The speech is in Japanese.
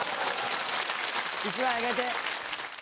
１枚あげて。